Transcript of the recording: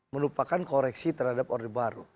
menupakan koreksi terhadap order baru